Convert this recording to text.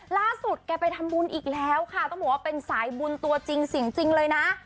ล่าสุดแกไปทำบุญอีกแล้วค่ะต้องบอกว่าเป็นสายบุญตัวจริงเลยนะ